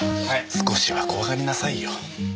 少しは怖がりなさいよ。